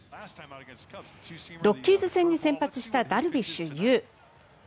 ロッキーズ戦に先発したダルビッシュ有。